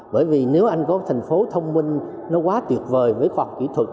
bởi vì nếu anh có thành phố thông minh nó quá tuyệt vời với khoa học kỹ thuật